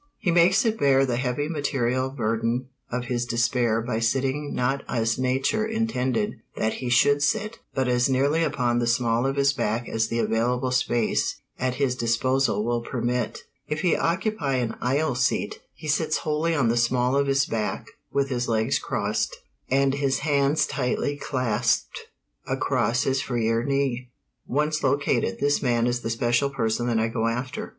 He makes it bear the heavy material burden of his despair by sitting not as Nature intended that he should sit, but as nearly upon the small of his back as the available space at his disposal will permit. If he occupy an aisle seat, he sits wholly on the small of his back, with his legs crossed, and his hands tightly clasped across his freer knee. Once located, this man is the special person that I go after.